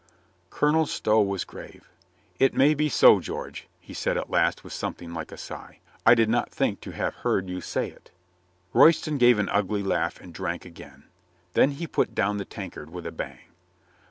Colonel Stow was grave. "It may be so, George," he said at last with something like a sigh. "I did not think to have heard you say it." Royston gave an ugly laugh and drank again. Then he put down the tankard with a bang.